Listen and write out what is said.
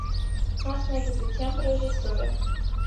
Մասնագիտությամբ ռեժիսոր է։